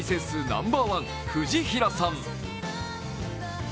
ナンバーワン、藤平さん